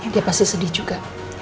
dia pasti sedih juga